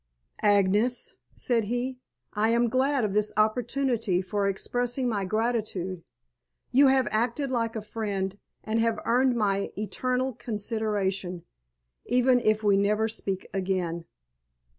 "Agnes," said he, "I am glad of this opportunity for expressing my gratitude. You have acted like a friend and have earned my eternal consideration, even if we never speak again."